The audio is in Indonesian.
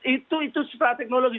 itu itu secara teknologi